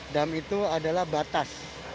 dam itu adalah batas